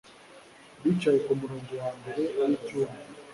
Bicaye kumurongo wambere wicyumba